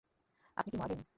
আপনি নাকি মার্লিন?